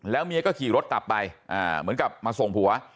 เมียก็ขี่รถกลับไปเหมือนกับมาส่งผัว